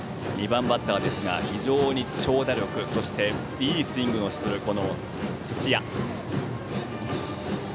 ２番バッターですが非常に長打力そして、いいスイングをする土屋。